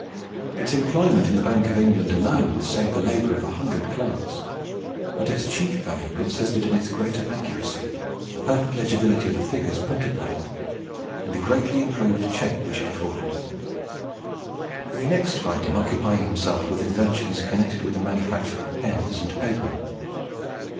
Its employment in the Bank of England alone saved the labour of a hundred clerks; but its chief value consisted in its greater accuracy, the perfect legibility of the figures printed by it, and the greatly improved check which it afforded. We next find him occupying himself with inventions connected with the manufacture of pens and paper.